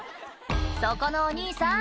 そこのお兄さん